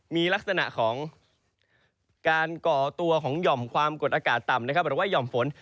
มีลักษณะของการก่อตัวของหย่อมความกดอากาศต่ำหรือว่าหย่อมฝน